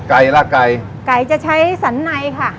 ล่ะไก่ไก่จะใช้สันในค่ะ